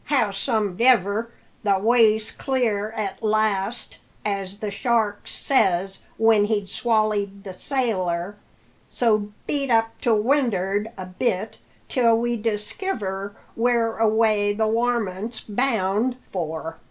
Howsome dever, the way's clear at last, as the shark says when he'd swallied the sailor; so beat up to wind'ard a bit, till we diskiver whereaway the warmints's bound for."